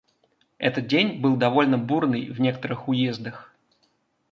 Этот день был довольно бурный в некоторых уездах.